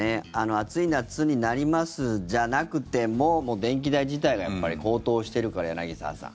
暑い夏になりますじゃなくてももう電気代自体がやっぱり高騰してるから、柳澤さん。